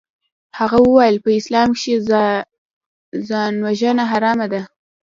هغه وويل په اسلام کښې ځانوژنه حرامه ده.